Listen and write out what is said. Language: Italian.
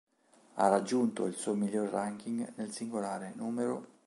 Ha raggiunto il suo miglior ranking nel singolare, nr.